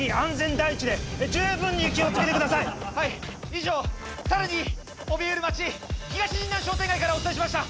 以上サルにおびえる街東神南商店街からお伝えしました！